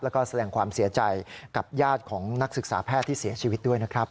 แล้วก็แสดงความเสียใจกับญาติของนักศึกษาแพทย์ที่เสียชีวิตด้วยนะครับ